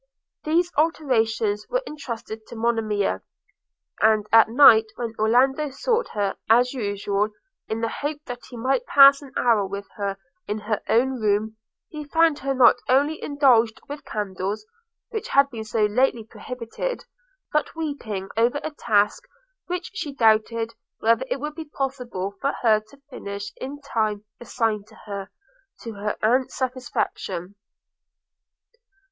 These alterations were entrusted to Monimia; and at night when Orlando sought her, as usual, in the hope that he might pass an hour with her in her own room, he found her not only indulged with candles, which had been so lately prohibited, but weeping over a task which she doubted whether it would be possible for her to finish in the time assigned her, to her aunt's satisfaction.